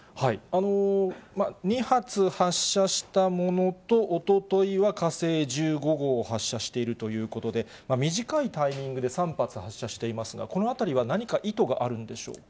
２発発射したものと、おとといは火星１５号を発射しているということで、短いタイミングで３発発射していますが、このあたりは何か意図があるんでしょうか。